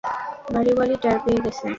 বাড়িওয়ালি ট্যার পেয়ে গেছে।